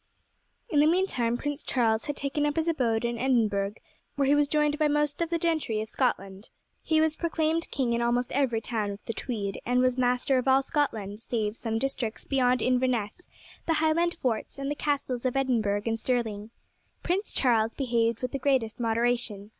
In the meantime Prince Charles had taken up his abode in Edinburgh, where he was joined by most of the gentry of Scotland. He was proclaimed king in almost every town of the Tweed, and was master of all Scotland, save some districts beyond Inverness, the Highland forts, and the castles of Edinburgh and Stirling.. Prince Charles behaved with the greatest moderation.